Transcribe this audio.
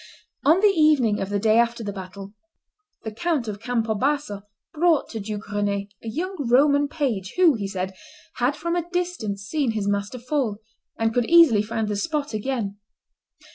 On the evening of the day after the battle, the Count of Campo Basso brought to Duke Rend a young Roman page who, he said, had from a distance seen his master fall, and could easily find the spot again.